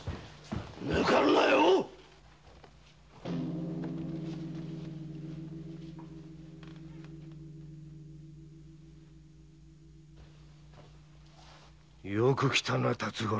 ぬかるなよよく来たな辰五郎。